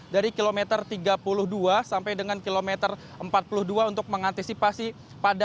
dari kilometer tiga puluh dua sampai dengan kilometer empat puluh dua untuk mengantisipasi